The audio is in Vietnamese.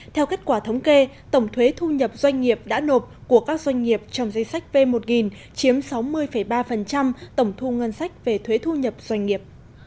theo kết quả thống kê tổng thuế thu nhập doanh nghiệp đã nộp của các doanh nghiệp trong danh sách v một nghìn chiếm sáu mươi ba tổng thu ngân sách về thuế thu nhập doanh nghiệp